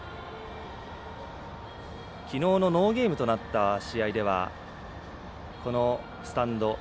きのうのノーゲームとなった試合ではこのスタンド。